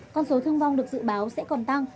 con số thương vong được dự báo sẽ còn tăng